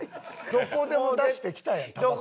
どこでも出してきたやんたばこ。